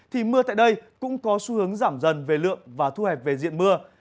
thì mưa tại đây cũng có xu hướng giảm dần về lượng và thu hẹp về diện mưa